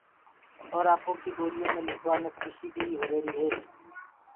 اور آپو ڪيِ ٻوليو مي لکوآ مي کُشيٚ بيِٚ هو ريهريِٚ هي۔